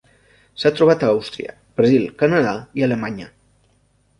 S'ha trobat a Àustria, Brasil, Canadà i Alemanya.